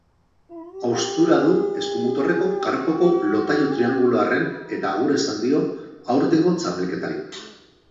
Haustura du eskumuturreko karpoko lotailu triangeluarrrean eta agur esan dio aurtengo txapelketari.